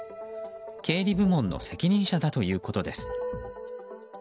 経理部門の責任者だということです。